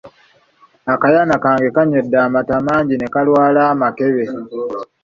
Akayana kange kaanywedde amata mangi ne kalwala amakebe.